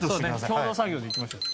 共同作業でいきましょう。